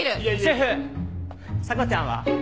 シェフ査子ちゃんは？